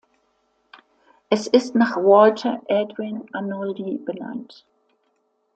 Es ist nach Walter Edwin Arnoldi benannt.